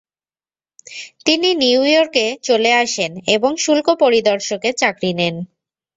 তিনি নিউ ইয়র্কে চলে আসেন এবং শুল্ক পরিদর্শকের চাকরি নেন।